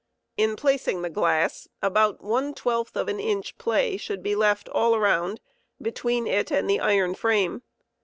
In placing the glass, about one twelfth of an inch play should be left all around between it and the iron frame.